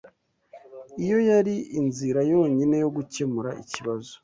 Iyo yari inzira yonyine yo gukemura ikibazo.